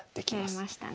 出れましたね。